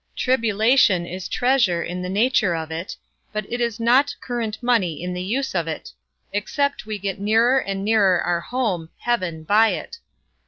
Tribulation is treasure in the nature of it, but it is not current money in the use of it, except we get nearer and nearer our home, heaven, by it.